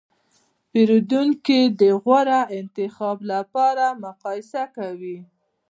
پیرودونکي د غوره انتخاب لپاره مقایسه کوي.